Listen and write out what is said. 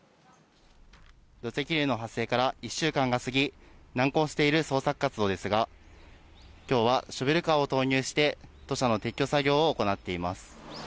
土石流の発生から１週間が過ぎ、難航している捜索活動ですが、今日はショベルカーを投入して土砂の撤去作業を行っています。